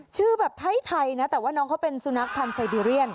ชื่อแบบไทยนะแต่ว่าน้องเขาเป็นสุนัขพันธ์ไซบีเรียน